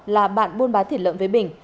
là bạn buôn bán thịt lợn với bình